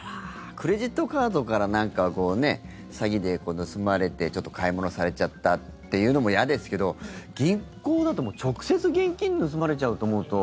クレジットカードから詐欺で盗まれてちょっと買い物されちゃったというのも嫌ですけど銀行だと直接現金盗まれちゃうと思うと。